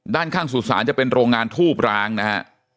ด้านข้างสุสานจะเป็นโรงงานทูบร้างนะฮะ